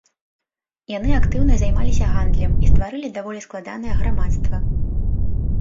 Яны актыўна займаліся гандлем і стварылі даволі складанае грамадства.